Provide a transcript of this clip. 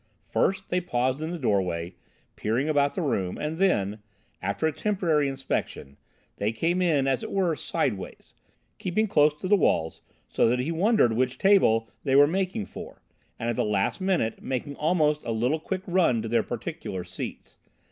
First, they paused in the doorway, peering about the room, and then, after a temporary inspection, they came in, as it were, sideways, keeping close to the walls so that he wondered which table they were making for, and at the last minute making almost a little quick run to their particular seats.